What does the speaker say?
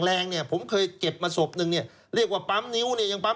ที่คุณชวิตเก็บศพมานี่ป่วยล้วนเลยหรือครับ